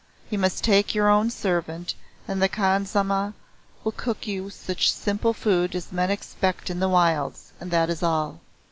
You must take your own servant and the khansamah will cook you such simple food as men expect in the wilds, and that is all.